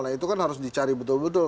nah itu kan harus dicari betul betul